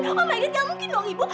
oh my god nggak mungkin dong ibu